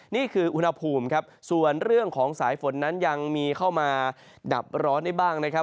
นี่คืออุณหภูมิครับส่วนเรื่องของสายฝนนั้นยังมีเข้ามาดับร้อนได้บ้างนะครับ